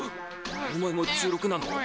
お前も１６なの？